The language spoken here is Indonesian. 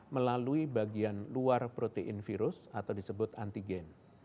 melalui bagian luar protein virus atau disebut antigen